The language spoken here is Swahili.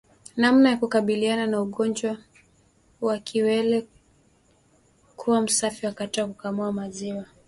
Namna ya kukabiliana na ugonjwa wa kiwele kuwa msafi wakati wa kukamua maziwa